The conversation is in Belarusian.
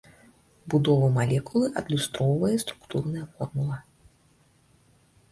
Будову малекулы адлюстроўвае структурная формула.